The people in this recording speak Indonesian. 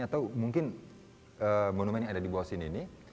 atau mungkin monumen yang ada di bawah sini ini